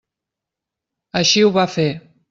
Així ho va fer.